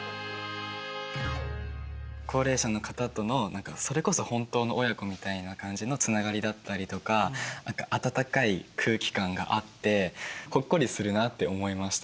高齢者の方との何かそれこそ本当の親子みたいな感じのつながりだったりとか温かい空気感があってほっこりするなって思いました。